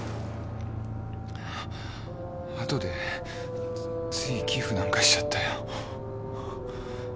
後でつい寄付なんかしちゃったよ。